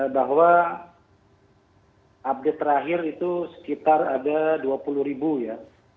bahwa update terakhir itu sekitar ada dua puluh ribu ya